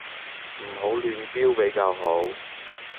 唔好亂標比較好